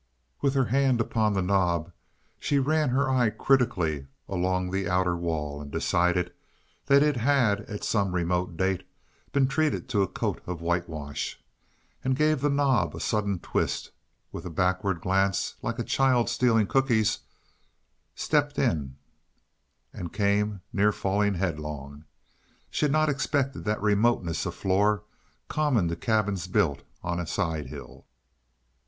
With her hand upon the knob, she ran her eye critically along the outer wall and decided that it had, at some remote date, been treated to a coat of whitewash; gave the knob a sudden twist, with a backward glance like a child stealing cookies, stepped in and came near falling headlong. She had not expected that remoteness of floor common to cabins built on a side hill.